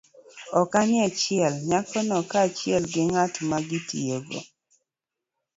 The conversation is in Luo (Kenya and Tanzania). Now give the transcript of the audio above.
Ok one niya, nyako no kaachiel gi ng'at ma gitiyogo